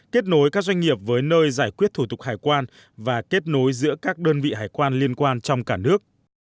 kết nối các doanh nghiệp với nơi giải quyết thủ tục hải quan và kết nối giữa các đơn vị hải quan liên quan trong cả nước